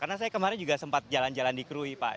karena saya kemarin juga sempat jalan jalan di krui pak